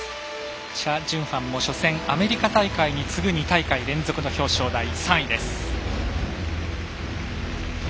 チャ・ジュンファンも初戦、アメリカ大会に次ぐ２大会連続の表彰台、３位です。